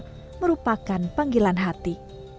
adi juga merupakan panggilan hati